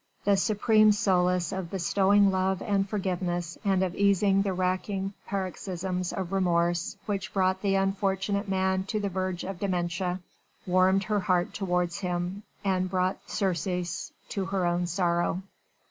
The supreme solace of bestowing love and forgiveness and of easing the racking paroxysms of remorse which brought the unfortunate man to the verge of dementia, warmed her heart towards him and brought surcease to her own sorrow.